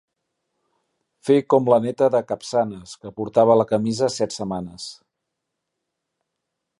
Fer com la neta de Capçanes que portava la camisa set setmanes.